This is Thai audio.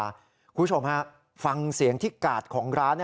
คุณผู้ชมฮะฟังเสียงที่กาดของร้าน